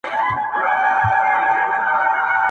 جانه ته ځې يوه پردي وطن ته